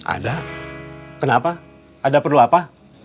ada kenapa ada perlu apa